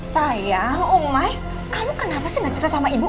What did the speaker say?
saya umai kamu kenapa sih gak cerita sama ibu